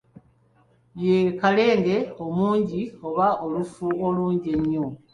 Ye Kalenge omungi oba olufu olungi ennyo.